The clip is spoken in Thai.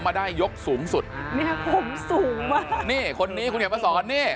มาได้ยกสูงสุดผมสูงมากนี่คุณศัลน์เนี่ยมาสอน